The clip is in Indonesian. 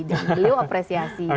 jadi beliau apresiasi gitu kan